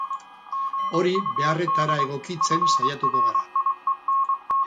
Hori beharretara egokitzen saiatuko gara.